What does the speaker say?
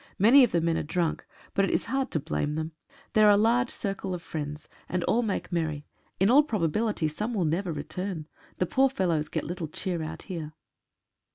Many of the men are drunk, but it is hard to blame them. There are a large circle of friends, and all make merry — in all probability some will never return. The poor fellows get little cheer out here.